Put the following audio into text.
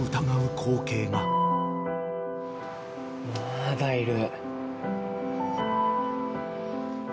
まだいる。